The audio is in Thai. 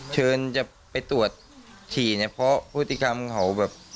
เชิญจะไปตรวจฉี่เนี่ยเพราะพฤติกรรมเขาแบบ